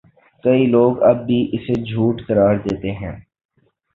کئی لوگ اب بھی اسے جھوٹ قرار دیتے ہیں